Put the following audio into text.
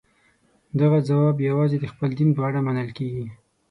دغه ځواب یوازې د خپل دین په اړه منل کېږي.